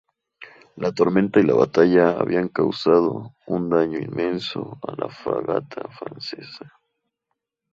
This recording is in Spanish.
La tormenta y la batalla habían causado un daño inmenso a la fragata francesa.